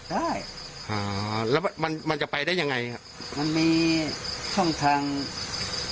ได้อ่าแล้วมันมันจะไปได้ยังไงมันมีท่องทางเก่า